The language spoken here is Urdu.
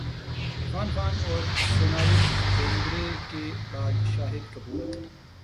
عرفان خان اور سونالی بیندر ے کے بعد شاہد کپور